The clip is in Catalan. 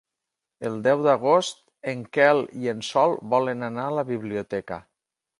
El deu d'agost en Quel i en Sol volen anar a la biblioteca.